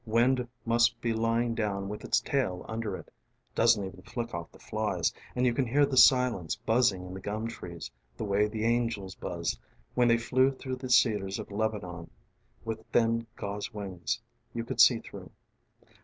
Wind must be lying down with its tail under itŌĆö doesn't even flick off the flies. And you can hear the silence buzzing in the gum trees, the way the angels buzzed when they flew through the cedars of Lebanon with thin gauze wings you could see through.